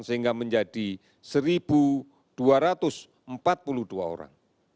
sehingga menjadi satu dua ratus empat puluh dua orang